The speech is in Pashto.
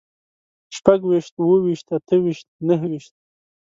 شپږ ويشت، اووه ويشت، اته ويشت، نهه ويشت